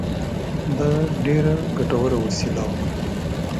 دا ډېره ګټوره وسیله وه.